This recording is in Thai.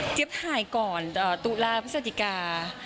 เจ๊ยับถ่ายก่อนตุลาพฤศจิกา